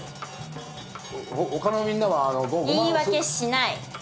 言い訳しない。